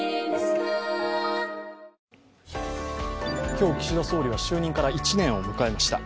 今日、岸田総理は就任から１年を迎えました。